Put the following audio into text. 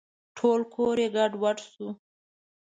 ټول کور یې ګډوډ شو .